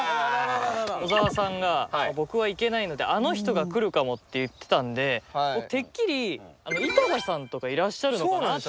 小沢さんが「僕は行けないのであの人が来るかも」って言ってたんでてっきり井戸田さんとかいらっしゃるのかなって。